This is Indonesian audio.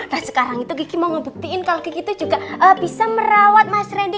nah sekarang itu kiki mau ngebuktiin kalau kiki tuh juga bisa merawat mas randy